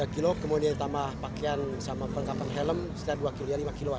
tiga kilo kemudian tambah pakaian sama pengkapan helm setiap dua kilo ya lima kiluan